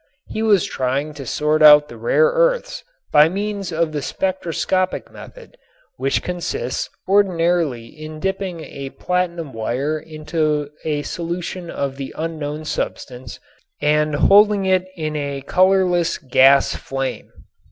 He was trying to sort out the rare earths by means of the spectroscopic method, which consists ordinarily in dipping a platinum wire into a solution of the unknown substance and holding it in a colorless gas flame.